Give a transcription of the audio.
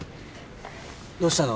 どうしたの？